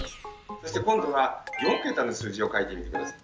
そして今度は４桁の数字を書いてみて下さい。